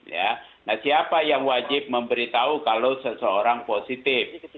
nah siapa yang wajib memberitahu kalau seseorang positif